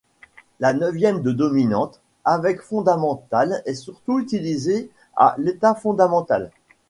La neuvième de dominante avec fondamentale est surtout utilisée à l'état fondamental.